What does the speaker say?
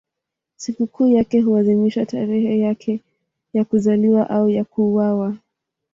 Sikukuu yake huadhimishwa tarehe yake ya kuzaliwa au ya kuuawa.